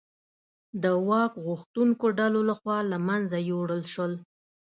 د واک غوښتونکو ډلو لخوا له منځه یووړل شول.